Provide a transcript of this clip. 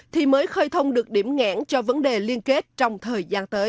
thì mới khơi thông được điểm ngãn cho vấn đề liên kết trong thời gian tới